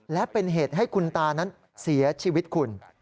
และเป็นเหตุให้คุณตานั้นเสียชีวิตคุณ